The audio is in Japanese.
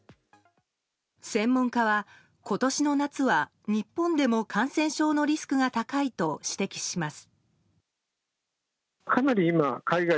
専門家は今年の夏は日本でも感染症のリスクが高いと指摘します。